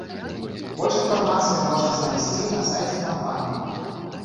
Больш інфармацыі можна знайсці на сайце кампаніі.